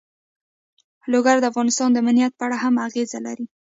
لوگر د افغانستان د امنیت په اړه هم اغېز لري.